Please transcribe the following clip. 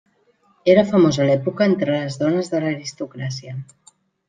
Era famós a l'època entre les dones de l'aristocràcia.